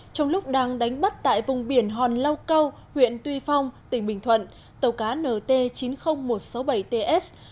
trong lúc đang đánh bắt tại vùng biển hòn lau câu huyện tuy phong tỉnh bình thuận tàu cá nt chín mươi nghìn một trăm sáu mươi bảy ts